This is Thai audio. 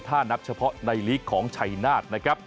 ถ้านับเฉพาะในลีกของชัยนาธนะครับ